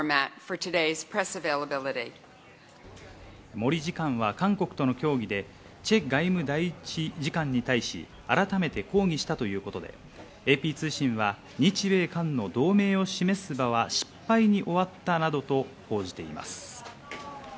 森次官は韓国との協議でチェ外務第１次官に対し改めて抗議したということでＡＰ通信は日米間の同盟を示す場は失敗に終わったなどと報じています。